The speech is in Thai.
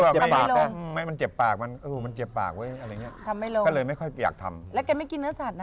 ขอติดให้ไหมมันเจ็บปากไป